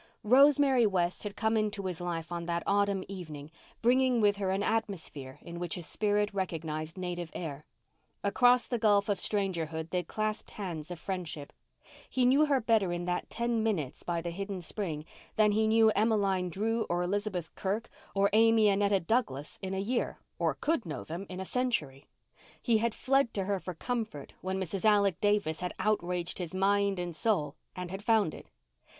Rosemary West had come into his life on that autumn evening bringing with her an atmosphere in which his spirit recognized native air. Across the gulf of strangerhood they clasped hands of friendship. He knew her better in that ten minutes by the hidden spring than he knew Emmeline Drew or Elizabeth Kirk or Amy Annetta Douglas in a year, or could know them, in a century. He had fled to her for comfort when Mrs. Alec Davis had outraged his mind and soul and had found it.